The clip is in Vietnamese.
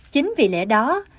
chính vì lẽ đó